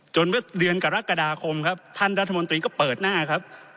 เมื่อเดือนกรกฎาคมครับท่านรัฐมนตรีก็เปิดหน้าครับ